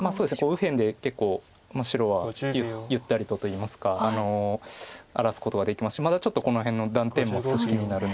右辺で結構白はゆったりとといいますか荒らすことができますしまだちょっとこの辺の断点も少し気になるので。